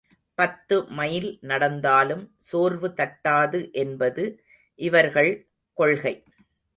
பத்து மைல் நடந்தாலும் சோர்வு தட்டாது என்பது இவர்கள் கொள்கை.